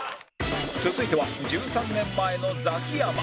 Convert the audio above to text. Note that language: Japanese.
続いては１３年前のザキヤマ